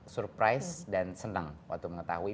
surprise dan senang waktu mengetahui